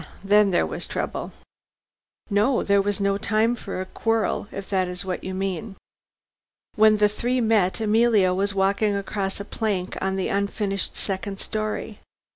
then there was trouble?" "No; there was no time for a quarrel, if that is what you mean. When the three met, Emilia was walking across a plank on the unfinished second story.